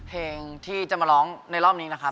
เพลงที่จะมาร้องในรอบนี้นะครับ